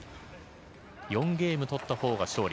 ４ゲームを取ったほうが勝利。